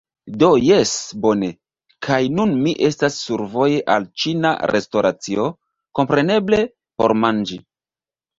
Do jes, bone. kaj nun mi estas survoje al ĉina restoracio, kompreneble, por manĝi!